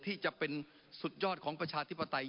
ที่จะเป็นสุดยอดของประชาธิปไตย